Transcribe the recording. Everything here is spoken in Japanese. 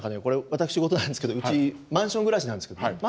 これ私ごとなんですけどうちマンション暮らしなんですけどね。